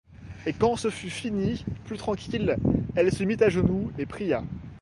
Et quand ce fut fini, plus tranquille, elle se mit à genoux, et pria.